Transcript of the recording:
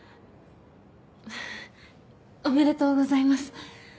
ははっおめでとうございます。